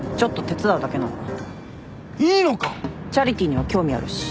チャリティーには興味あるし。